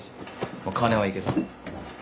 まっ金はいいけど。